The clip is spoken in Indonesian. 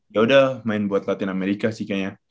ya udah main buat latin america sih kayaknya